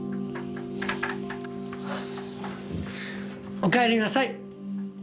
おかえりなさい！